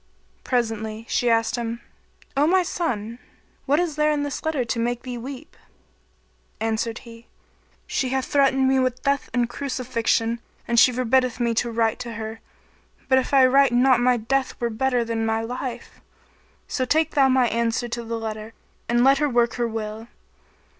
Presently she asked him, "O my son, what is there in this letter to make thee weep?" Answered he, "She hath threatened me with death and crucifixion and she forbiddeth me to write to her, but if I write not my death were better than my life. So take thou my answer to the letter and let her work her will."